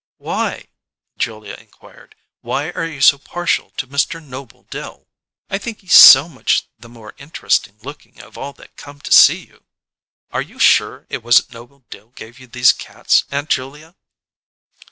"Why?" Julia inquired. "Why are you so partial to Mr. Noble Dill?" "I think he's so much the most inter'sting looking of all that come to see you. Are you sure it wasn't Noble Dill gave you these cats, Aunt Julia?"